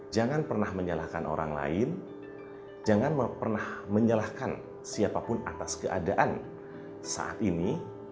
jangan pernah menyalahkan orang lain jangan pernah menyalahkan siapapun atas keadaan saat ini